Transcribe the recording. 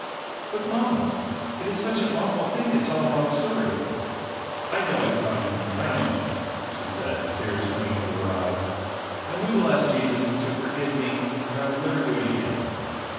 "But, Mama, it is such an awful thing to tell a wrong story." "I know it Tommy, I know it," she said, tears coming into her eyes; "and we will ask Jesus to forgive me and I will never do it again."